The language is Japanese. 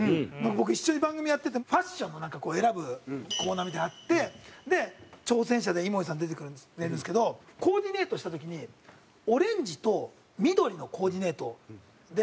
僕一緒に番組やっててファッションのなんかこう選ぶコーナーみたいなのあって挑戦者で井森さん出てくれるんですけどコーディネートした時にオレンジと緑のコーディネートで。